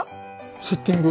セッティング。